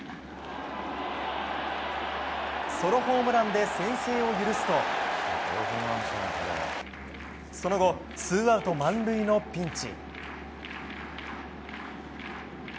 ソロホームランで先制を許すとその後、ツーアウト満塁のピンチ。